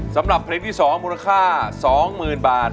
สำหรับเพลงที่๒มูลค่า๒๐๐๐บาท